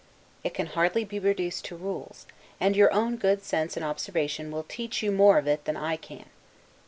It can hardly be reduced to rules; and your own good sense and observation will teach you more of it than I can.